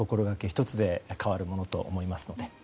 １つで変わるものと思いますので。